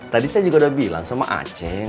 tadi saya juga udah bilang sama aceh